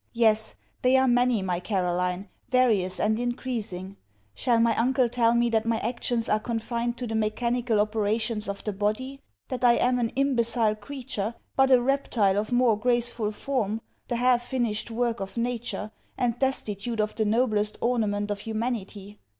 Yes: they are many, my Caroline; various and increasing. Shall my uncle tell me that my actions are confined to the mechanical operations of the body, that I am an imbecile creature, but a reptile of more graceful form, the half finished work of nature, and destitute of the noblest ornament of humanity?